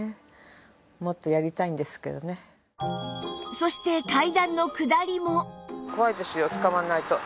そして階段の下りも